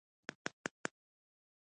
کله چې ملک الموت راغی نو سړی وډار شو.